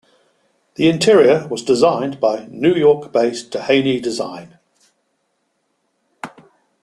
The interior wasdesigned by New York-based Tihany Design.